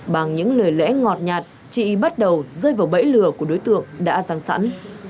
bằng những lời lẽ ngọt nhạt chị bắt đầu rơi vào bẫy lừa của đối tượng đã răng sẵn